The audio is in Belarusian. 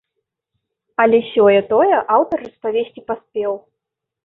Але сёе-тое аўтар распавесці паспеў.